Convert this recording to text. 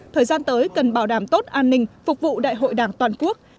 thời gian tới cần bảo đảm tốt an ninh phục vụ đại hội đảng toàn quốc